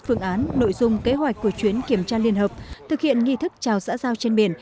phương án nội dung kế hoạch của chuyến kiểm tra liên hợp thực hiện nghi thức trào xã giao trên biển